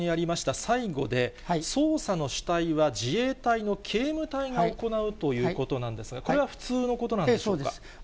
今の原稿にありました最後で、捜査の主体は自衛隊の警務隊が行うということなんですが、これはそうです。